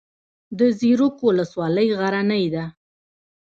د زیروک ولسوالۍ غرنۍ ده